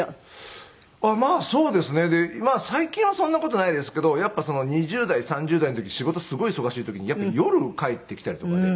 最近はそんな事ないですけどやっぱり２０代３０代の時仕事すごい忙しい時に夜帰ってきたりとかで。